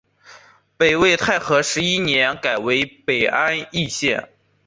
北魏太和十一年改为北安邑县。